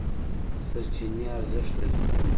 سرچینې ارزښت لري.